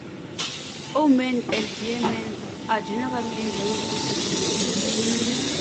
Oman and Yemen are generally enjoying good relations.